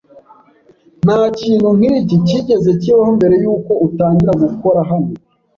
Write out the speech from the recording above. Ntakintu nkiki cyigeze kibaho mbere yuko utangira gukora hano.